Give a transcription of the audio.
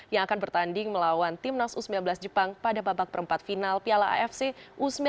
yang akan bertanding melawan timnas u sembilan belas jepang pada babak perempat final piala afc u sembilan belas